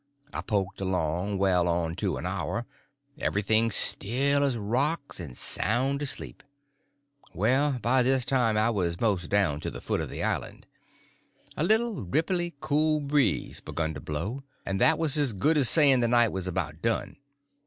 I poked along well on to an hour, everything still as rocks and sound asleep. Well, by this time I was most down to the foot of the island. A little ripply, cool breeze begun to blow, and that was as good as saying the night was about done.